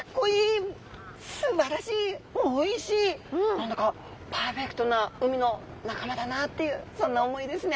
何だかパーフェクトな海の仲間だなっていうそんな思いですね。